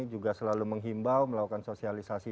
juga selalu menghimbau melakukan sosialisasi